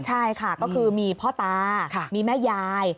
ใช่ค่ะก็คือมีพ่อตามีแม่ยาย